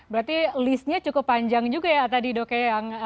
berarti listnya cukup panjang juga ya tadi dok ya